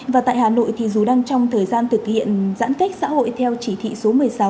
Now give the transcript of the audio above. và tại hà nội thì dù đang trong thời gian thực hiện giãn cách xã hội theo chỉ thị số một mươi sáu